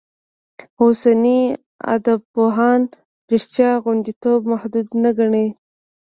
اوسني ادبپوهان رشتیا غوندېتوب محدود نه ګڼي.